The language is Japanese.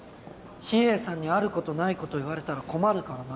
秘影さんにあることないこと言われたら困るからな。